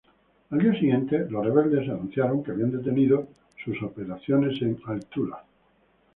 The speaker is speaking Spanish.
Al día siguiente, los rebeldes anunciaron que habían detenido sus operaciones en al-Thula.